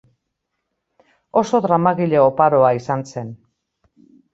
Oso dramagile oparoa izan zen.